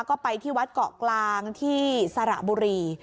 ก็ไปที่วัดเกาะกลางที่สระบุรี